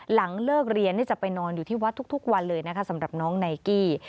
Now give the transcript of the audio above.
หลังเลิกเรียนจะไปนอนอยู่ที่วัดทุกวันเลยนะคะสำหรับน้องไนกี้